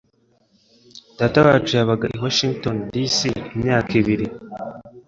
Datawacu yabaga i Washington, D. C. imyaka ibiri.